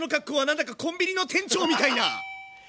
何だかコンビニの店長みたいな。